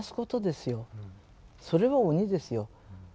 それは鬼ですよ。